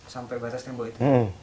sampai batas tembok itu